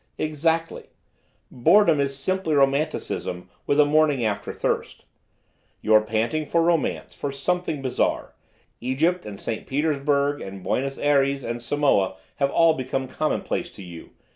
"Exactly. Boredom is simply romanticism with a morning after thirst. You're panting for romance, for something bizarre. Egypt and St. Petersburg and Buenos Ayres and Samoa have all become commonplace to you.